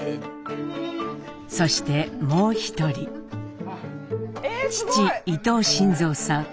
そしてもう一人父伊藤新造さん８５歳。